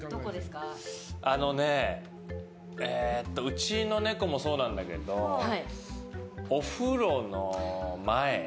あのね、うちのネコもそうなんだけどお風呂の前。